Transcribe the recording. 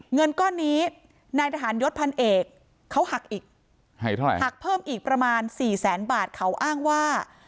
เงินก้อนนี้นายทหารยศพันเอกเขาหักอีกเท่าไหร่หักเพิ่มอีกประมาณสี่แสนบาทเขาอ้างว่า